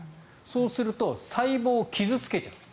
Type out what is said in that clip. そうすると細胞を傷付けちゃう。